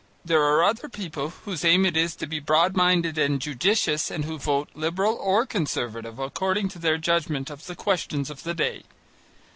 There are other people whose aim it is to be broad minded and judicious and who vote Liberal or Conservative according to their judgment of the questions of the day.